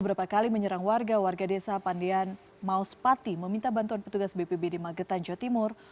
beberapa kali menyerang warga warga desa pandian mauspati meminta bantuan petugas bpbd magetan jawa timur